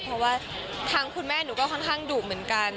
เพราะว่าทางคุณแม่หนูก็ค่อนข้างดุเหมือนกัน